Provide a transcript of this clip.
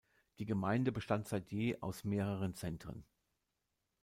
Die Gemeinde bestand seit je aus mehreren Zentren.